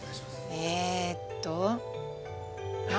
えっと